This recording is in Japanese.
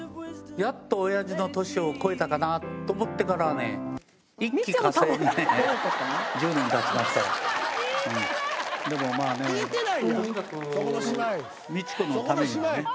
やっと、おやじの年を超えたかなと思ってからね、どれ取ったの？